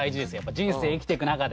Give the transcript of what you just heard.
人生生きていく中で。